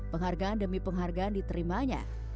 penghargaan demi penghargaan diterimanya